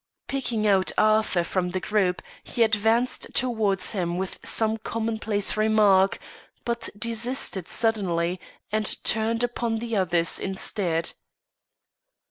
Picking out Arthur from the group, he advanced towards him with some commonplace remark; but desisted suddenly and turned upon the others instead.